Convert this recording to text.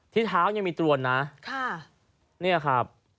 ที่เท้ายังมีตรวนนะ